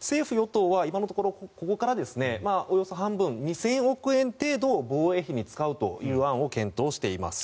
政府・与党は今のところここからおよそ半分２０００億円程度を防衛費に使うという案を検討しています。